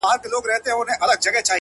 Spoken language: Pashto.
چي دغه وينه لږه وچه سي باران يې يوسي-